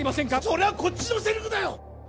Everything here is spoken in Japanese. それはこっちのセリフだよ